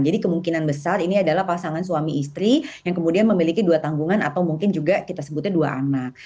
jadi kemungkinan besar ini adalah pasangan suami istri yang kemudian memiliki dua tanggungan atau mungkin juga kita sebutnya dua anak